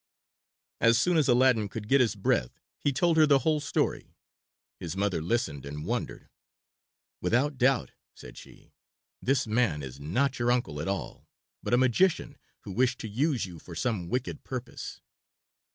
As soon as Aladdin could get his breath he told her the whole story. His mother listened and wondered. "Without doubt," said she, "this man is not your uncle at all, but a magician who wished to use you for some wicked purpose."